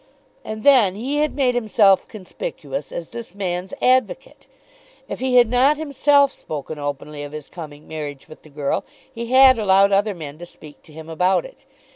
And then he had made himself conspicuous as this man's advocate. If he had not himself spoken openly of his coming marriage with the girl, he had allowed other men to speak to him about it.